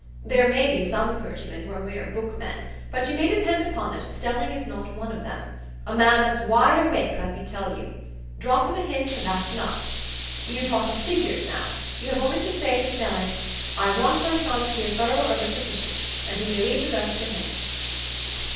There may be some clergymen who are mere bookmen; but you may depend upon it, Stelling is not one of them,—a man that's wide awake, let me tell you. Drop him a hint, and that's enough. You talk of figures, now; you have only to say to Stelling, 'I want my son to be a thorough arithmetician,' and you may leave the rest to him."